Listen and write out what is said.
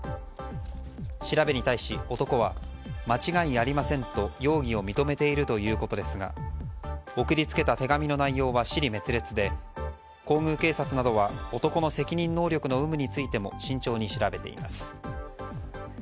調べに対し、男は間違いありませんと容疑を認めているということですが送り付けた手紙の内容は支離滅裂で皇宮警察などは男の責任能力の有無についても慎重に調べています。